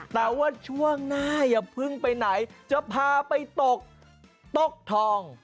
แต่ว่าช่วงหน้าอย่าเพิ่งไปไหนจะพาไปตกตกทอง